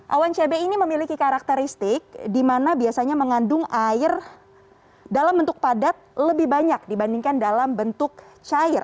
awan cb ini memiliki karakteristik di mana biasanya mengandung air dalam bentuk padat lebih banyak dibandingkan dalam bentuk cair